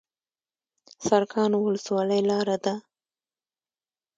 سرکانو ولسوالۍ لاره ده؟